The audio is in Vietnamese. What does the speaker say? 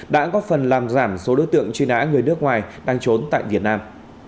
đã góp phần làm giảm số đối tượng truy nã người nước ngoài đang trốn tại việt nam